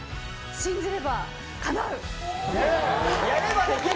信じればかなう。